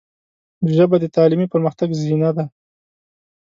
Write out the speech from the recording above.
ژبه د تعلیمي پرمختګ زینه ده